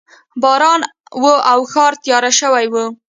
باران و او ښار تیاره شوی و